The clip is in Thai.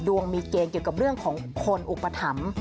ดวงมีเกณฑ์เกี่ยวกับเรื่องของคนอุปถัมภ์